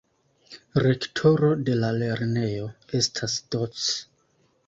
Rektoro de la lernejo estas Doc.